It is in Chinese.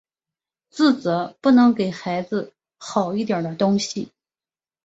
自责不能给孩子好一点的东西